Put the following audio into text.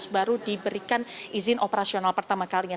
baru diberikan izin operasional pertama kalinya